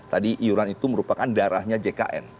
tadi iuran itu merupakan darahnya jkn